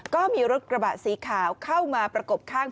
ก็มีรถกระบะสีขาวเข้ามาประกบข้าง